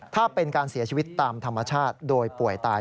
ถ้าเป็นการเสียชีวิตตามธรรมชาติโดยป่วยตาย